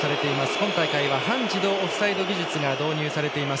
今大会は半自動オフサイド技術が導入されています。